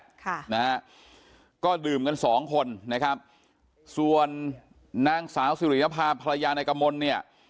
ค่ะนะฮะก็ดื่มกันสองคนนะครับส่วนนางสาวสุริยภาพภรรยานายกมลเนี่ย